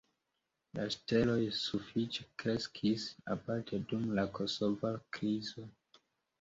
La ŝteloj sufiĉe kreskis aparte dum la kosova krizo.